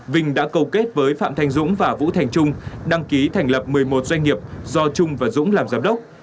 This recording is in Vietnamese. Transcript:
vinh đã cầu kết với phạm thành dũng và vũ thành trung đăng ký thành lập một mươi một doanh nghiệp do trung và dũng làm giám đốc